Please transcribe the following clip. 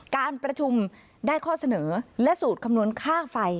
การประชุมได้ข้อเสนอและสูตรคำนวณค่าไฟ